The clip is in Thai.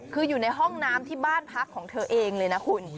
คืออยู่ในห้องน้ำที่บ้านพักของเธอเองเลยนะคุณ